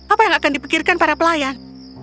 apa yang akan dipikirkan para pelayan